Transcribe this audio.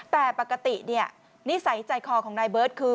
แต่ปกตินิสัยใจคอของนายเบิร์ตคือ